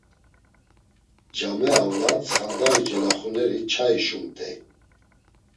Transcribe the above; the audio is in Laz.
Came avla tsxandari celaxuneri çai şumt̆ey.